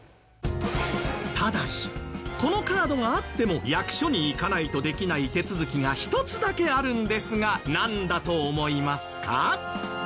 ただしこのカードがあっても役所に行かないとできない手続きが一つだけあるんですがなんだと思いますか？